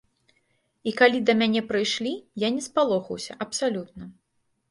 І калі да мяне прыйшлі, я не спалохаўся, абсалютна.